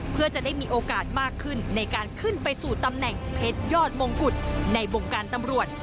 เพื่อจะได้มีโอกาสมากขึ้นในการขึ้นไปสู่ตำแหน่งเพชรยอดมงกุฎในวงการตำรวจ